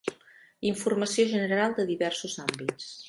Informació general de diversos àmbits.